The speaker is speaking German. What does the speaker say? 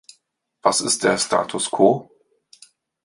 Was ist der Status quo?